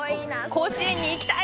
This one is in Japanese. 甲子園に行きたい！